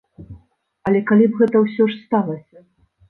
Але калі б гэта ўсё ж сталася?